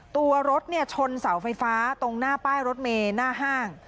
ตัวรถชนเสาไฟฟ้าตรงหน้าป้ายรถเมย์หน้าห้าง